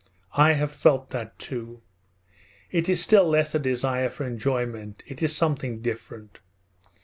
I have felt that too. It is still less a desire for enjoyment: it is something different.